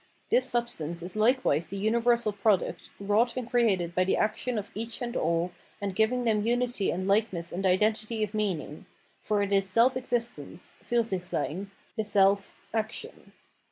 This substance is likewise the universal product, wrought and created by the action of each and all, and giving them unity and likeness and identity of meaning ; for it is self existence (FursicJiseyn), the self, action.